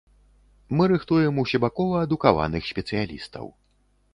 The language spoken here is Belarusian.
Мы рыхтуем усебакова адукаваных спецыялістаў.